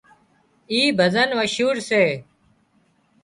اين ڀزن مشهور سي